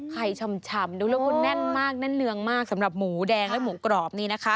ชำดูแล้วคุณแน่นมากแน่นเนืองมากสำหรับหมูแดงและหมูกรอบนี่นะคะ